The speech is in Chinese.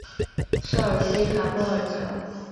绍尔基卡波尔瑙。